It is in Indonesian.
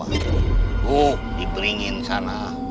oh diberingin sana